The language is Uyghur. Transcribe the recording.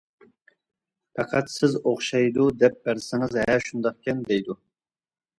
پەقەت سىز ئوخشايدۇ، دەپ بەرسىڭىز ھە شۇنداقكەن دەيدۇ.